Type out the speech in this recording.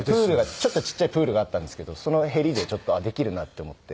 ちょっとちっちゃいプールがあったんですけどそのへりでできるなって思って。